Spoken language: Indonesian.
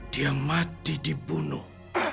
dia mati dibunuh